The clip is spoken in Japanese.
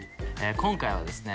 今回はですね